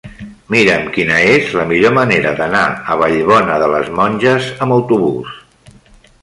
Mira'm quina és la millor manera d'anar a Vallbona de les Monges amb autobús.